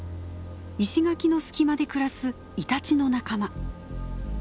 石垣の隙間で暮らすイタチの仲間。